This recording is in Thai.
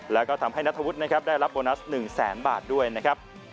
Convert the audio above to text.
และทำให้นัทธวุฒิได้รับโบนัส๑๐๐๐๐๐บาทด้วยนะครับ